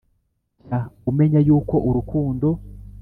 jya umenya yuko urukundo